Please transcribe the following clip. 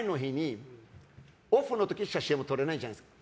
オフの時、写真撮れないじゃないですか。